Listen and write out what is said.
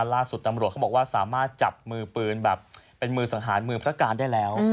ล่าสุดตำรวจเขาบอกว่าสามารถจับมือปืนแบบเป็นมือสังหารมือพระการได้แล้ว